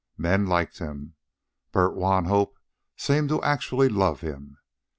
Men liked him. Bert Wanhope seemed actually to love him.